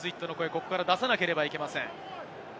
ここから出さなければいけません。